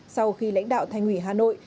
sau khi lãnh đạo thành quỷ hà nội